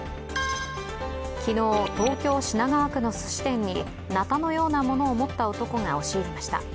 昨日、東京・品川区のすし店になたのようなものを持った男が押し入りました。